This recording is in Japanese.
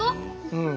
うん。